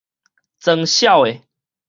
裝痟的